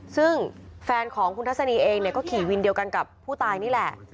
ซึ่งแฟนของคุณทัศนีเองเนี่ยก็ขี่วินเดียวกันกับผู้ตายนี่แหละ